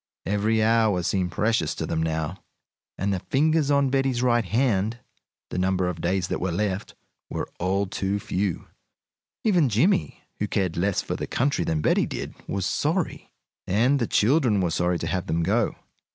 Every hour seemed precious to them now, and the fingers on Betty's right hand the number of days that were left were all too few. Even Jimmie, who cared less for the country than Betty did, was sorry. And the children were sorry to have them go.